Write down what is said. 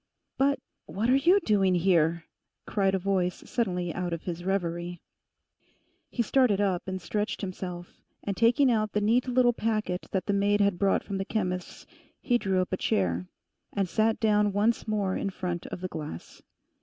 'But what are you doing here?' cried a voice suddenly out of his reverie. He started up and stretched himself, and taking out the neat little packet that the maid had brought from the chemist's, he drew up a chair, and sat down once more in front of the glass.